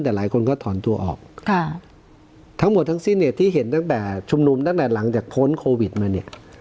แต่หลายคนก็ถอนตัวออกทั้งหมดทั้งสิ้นเนี่ยที่เห็นตั้งแต่ชุมนุมตั้งแต่หลังจากพ้นโควิดมาเนี่ย